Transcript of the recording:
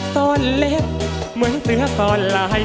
ซ่อนเล็บเหมือนเสื้อซ่อนลาย